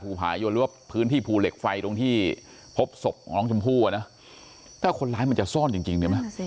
ภูผายวรวบพื้นที่ภูเหล็กไฟตรงที่พบศพหลองชมพูถ้าคนร้ายมันจะซ่อนจริง